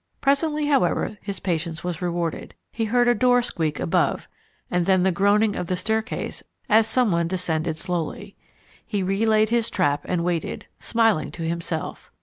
Presently, however, his patience was rewarded. He heard a door squeak above, and then the groaning of the staircase as someone descended slowly. He relaid his trap and waited, smiling to himself.